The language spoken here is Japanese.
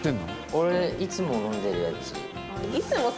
俺いつも飲んでるやつ。